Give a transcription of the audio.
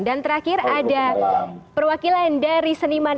dan terakhir ada perwakilan dari seniman